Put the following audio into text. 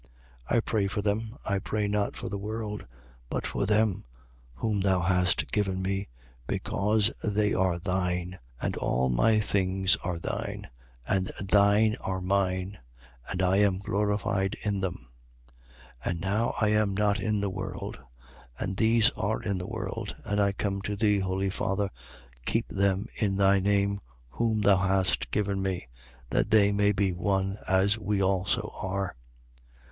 17:9. I pray for them. I pray not for the world, but for them whom thou hast given me: because they are thine. 17:10. And all my things are thine, and thine are mine: and I am glorified in them. 17:11. And now I am not in the world, and these are in the world, and I come to thee. Holy Father, keep them in thy name whom thou hast given me: that they may be one, as we also are.